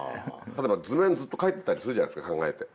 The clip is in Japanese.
例えば図面ずっと描いてたりするじゃないですか考えて。